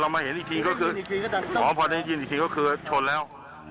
ไม่ได้ยินอีกทีก็คือชนแล้ว